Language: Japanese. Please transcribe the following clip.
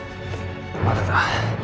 まだだ。